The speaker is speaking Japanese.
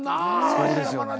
すごいですよね。